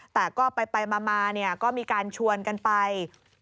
แต่ก็ไปมาก็มีการชวนกันไป